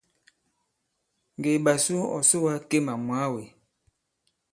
Ŋgè i ɓasu ɔ̀ soga Kemà mwàa wē.